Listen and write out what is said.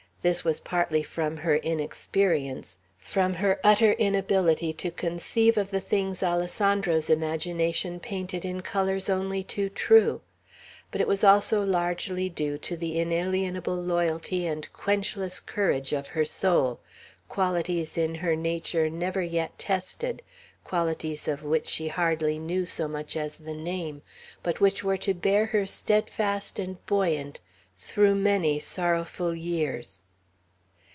This was partly from her inexperience, from her utter inability to conceive of the things Alessandro's imagination painted in colors only too true; but it was also largely due to the inalienable loyalty and quenchless courage of her soul, qualities in her nature never yet tested; qualities of which she hardly knew so much as the name, but which were to bear her steadfast and buoyant through many sorrowful years.